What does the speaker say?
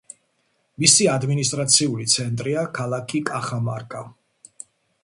მისი ადმინისტრაციული ცენტრია ქალაქი კახამარკა.